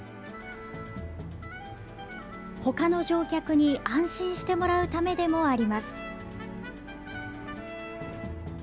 ほかの乗客に安心してもらうためでもあります。